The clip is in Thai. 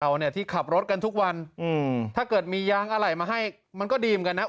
เอาเนี่ยที่ขับรถกันทุกวันอืมถ้าเกิดมียางอะไรมาให้มันก็ดีเหมือนกันนะ